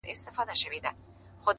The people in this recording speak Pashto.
داسې خبرې خو د دې دُنيا سړی نه کوي!!